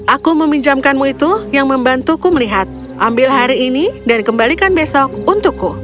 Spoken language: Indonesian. aku meminjamkanmu itu yang membantuku melihat ambil hari ini dan kembalikan besok untukku